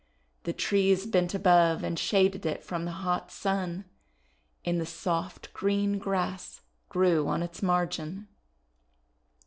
The trees bent above and shaded it from the hot sun, and the soft, green grass grew on its margin.